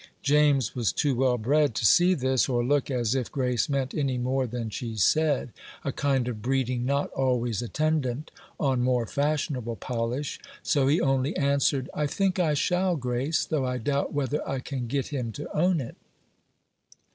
James was too well bred to see this, or look as if Grace meant any more than she said a kind of breeding not always attendant on more fashionable polish so he only answered, "I think I shall, Grace, though I doubt whether I can get him to own it."